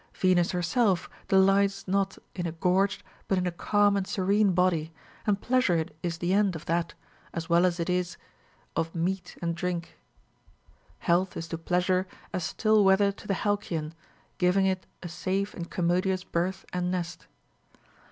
Venus herself delights not in a gorged, but in a calm and serene body ; and pleasure is tlie end of that, as Λνβΐΐ as it is of meat and drink. Health is to pleasure as still weather to the hal cyon, giving it a safe and commodious birth and nest.